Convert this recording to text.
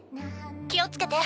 気をつけて。